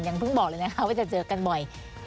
เพิ่งบอกเลยนะคะว่าจะเจอกันบ่อย